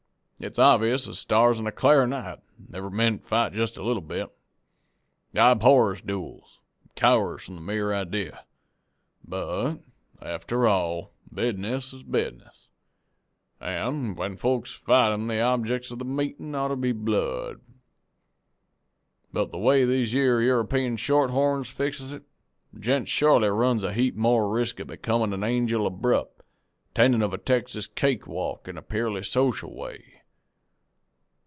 It's obvious as stars on a cl'ar night, they never means fight a little bit. I abhors dooels, an' cowers from the mere idee. But, after all, business is business, an' when folks fights 'em the objects of the meetin' oughter be blood. But the way these yere European shorthorns fixes it, a gent shorely runs a heap more resk of becomin' a angel abrupt, attendin' of a Texas cake walk in a purely social way.